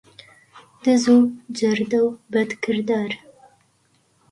دز و جەردە و بەدکردار